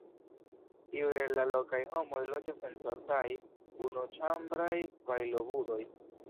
Iuj el la lokaj homoj loĝas en casais, unuĉambraj pajlobudoj.